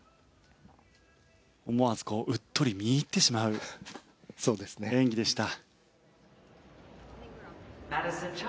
思わずうっとり見入ってしまう演技でした。